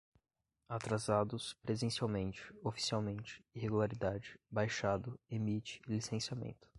atrasados, presencialmente, oficialmente, irregularidade, baixado, emite, licenciamento